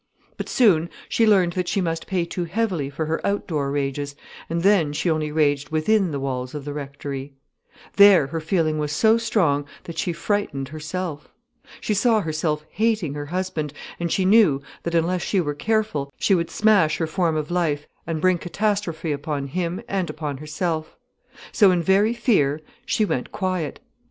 But soon she learned that she must pay too heavily for her outdoor rages, and then she only raged within the walls of the rectory. There her feeling was so strong, that she frightened herself. She saw herself hating her husband, and she knew that, unless she were careful, she would smash her form of life and bring catastrophe upon him and upon herself. So in very fear, she went quiet.